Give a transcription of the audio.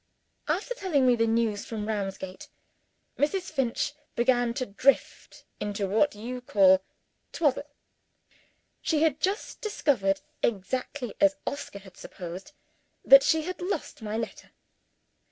After telling me the news from Ramsgate, Mrs. Finch began to drift into, what you call, Twaddle. She had just discovered (exactly as Oscar had supposed) that she had lost my letter.